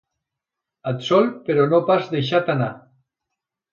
Absolt, però no pas deixat anar.